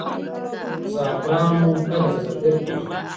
زعفرانو قدر زرګر پېژني.